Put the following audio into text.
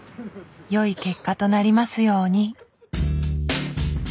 よい結果となりますように。